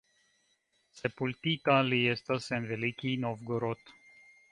Sepultita li estas en Velikij Novgorod.